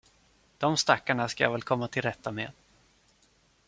De stackarna ska jag väl komma till rätta med.